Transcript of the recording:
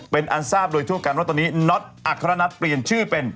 เป็นอันทราบโดยทั่วกันว่าตอนนี้น็อตอัครนัทเปลี่ยนชื่อเป็น